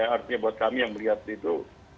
artinya buat kami yang melihat itu